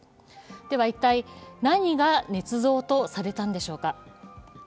では、一体、何がねつ造とされたんでしょうか。